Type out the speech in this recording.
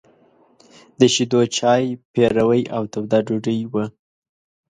د شيدو چای، پيروی او توده ډوډۍ وه.